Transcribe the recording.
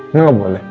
ini gak boleh